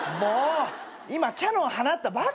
今キャノン放ったばっかでしょ。